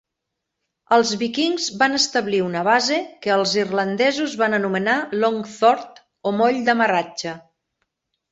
Els vikings van establir una base, que els irlandesos van anomenar "longphort", o "moll d'amarratge".